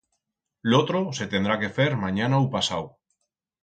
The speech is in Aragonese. L'otro se tendrá que fer manyana u pasau.